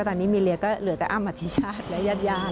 ตอนนี้มีเรียกก็เหลือแต่อ้ามอาทิชาติและญาติย่าน